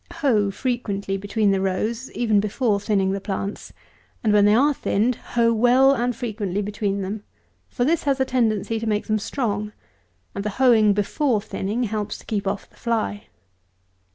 Hoe frequently between the rows even before thinning the plants; and when they are thinned, hoe well and frequently between them; for this has a tendency to make them strong; and the hoeing before thinning helps to keep off the fly.